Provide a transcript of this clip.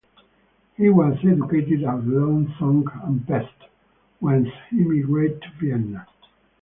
He was educated at Losonc and Pest, whence he migrated to Vienna.